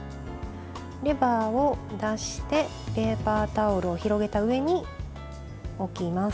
レバーを出してペーパータオルを広げた上に置きます。